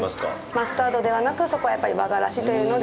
マスタードではなく、そこはやっぱり和がらしというので。